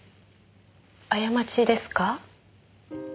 過ちですか？